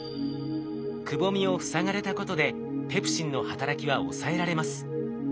くぼみを塞がれたことでペプシンの働きは抑えられます。